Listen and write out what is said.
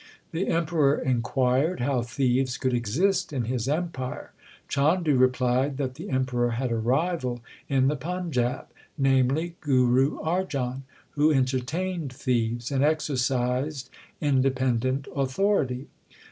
The Emperor inquired how thieves could exist in his empire. Chandu replied that the Emperor had a rival in the Panjab, namely Guru Arjan, who entertained thieves and exercised independent authority.